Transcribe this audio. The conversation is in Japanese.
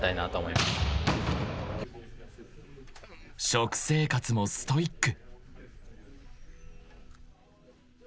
［食生活もストイック］